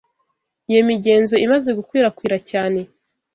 Iyo migenzo imaze gukwirakwira cyane.